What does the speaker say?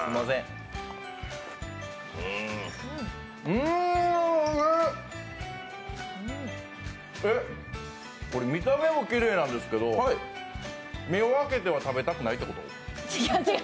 うーん、うまい！えっ、見た目もきれいなんですけど目を開けては食べたくないってこと？